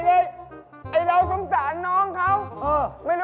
ก็เลยจับน้องเขา